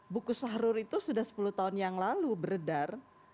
buku sahrur itu sudah sepuluh tahun yang lalu beredar